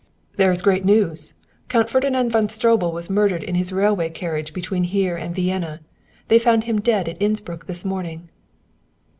"There is great news: Count Ferdinand von Stroebel was murdered in his railway carriage between here and Vienna; they found him dead at Innsbruck this morning."